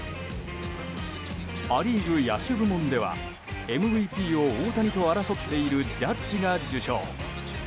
ア・リーグ野手部門ではＭＶＰを大谷と争っているジャッジが受賞。